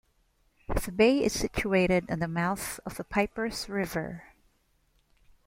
The bay is situated on the mouth of the Pipers River.